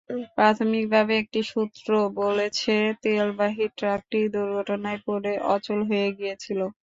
প্রাথমিকভাবে একটি সূত্র বলছে, তেলবাহী ট্রাকটি দুর্ঘটনায় পড়ে অচল হয়ে গিয়েছিল।